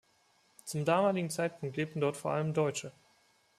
Zum damaligen Zeitpunkt lebten dort vor allem Deutsche.